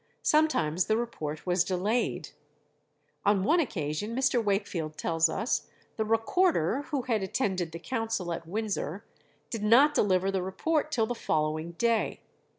Sometimes the report was delayed. On one occasion, Mr. Wakefield tells us, the Recorder, who had attended the council at Windsor, did not deliver the report till the following day.